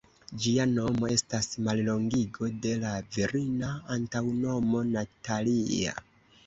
Ĝia nomo estas mallongigo de la virina antaŭnomo "Natalia".